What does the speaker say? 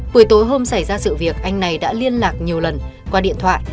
buổi tối hôm xảy ra sự việc anh này đã liên lạc nhiều lần qua điện thoại